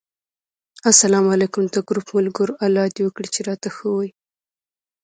اسلام علیکم! د ګروپ ملګرو! الله دې وکړي چې راته ښه وی